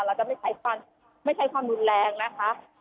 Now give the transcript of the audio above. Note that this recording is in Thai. เราจะไม่ใช้ฟันไม่ใช้ความรุนแรงนะคะ